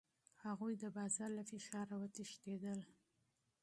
هغوی د بازار له فشاره وتښتېدل.